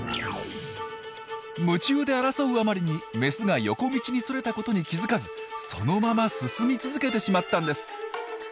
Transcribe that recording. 夢中で争うあまりにメスが横道にそれたことに気付かずそのまま進み続けてしまったんです。